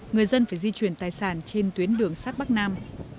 người dân phải di chuyển tài sản trên tuyến đường sát bắc nam